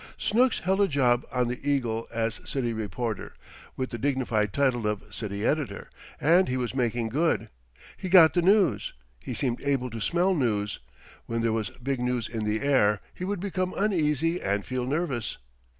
Snooks held a job on the "Eagle" as city reporter, with the dignified title of City Editor, and he was making good. He got the news. He seemed able to smell news. When there was big news in the air he would become uneasy and feel nervous.